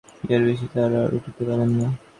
ইহার বেশী তাহারা আর উঠিতে পারে না।